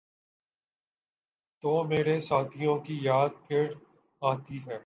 تو مرے ساتھیوں کی یاد پھرآتی ہے۔